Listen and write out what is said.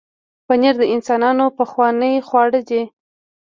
پنېر د انسانانو پخوانی خواړه دی.